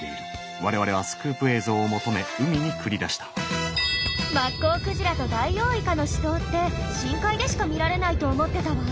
我々はスクープ映像を求め海に繰り出したマッコウクジラとダイオウイカの死闘って深海でしか見られないと思ってたわ。